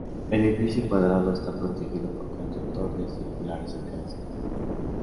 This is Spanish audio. El edificio cuadrado está protegido por cuatro torres circulares en cada esquina.